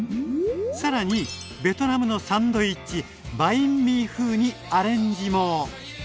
さらにベトナムのサンドイッチバインミー風にアレンジも！